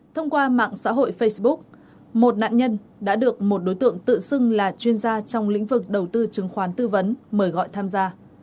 thông qua mạng xã hội facebook một nạn nhân đã được một đối tượng tự xưng là chuyên gia trong lĩnh vực đầu tư chứng khoán tư vấn mời gọi tham gia